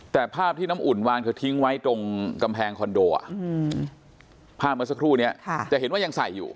แต่ภาพที่น้ำอุ่นวางเธอทิ้งไว้ตรงกำแพงคอนโดภาพเมื่อสักครู่นี้จะเห็นว่ายังใส่อยู่